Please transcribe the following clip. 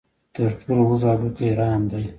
تر ټولو اوږد هډوکی ران دی.